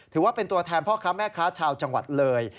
ถือว่าเป็นตัวแทนพ่อค้าแม่ค้าชาวจังหวัดเลย